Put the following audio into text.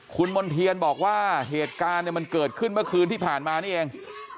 คุณมณ์เทียนบอกว่าเหตุการณ์เนี่ยมันเกิดขึ้นเมื่อคืนที่ผ่านมานี่เอง